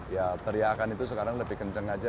ya teriakan itu sekarang lebih kencang aja